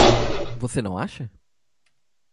Você não acha?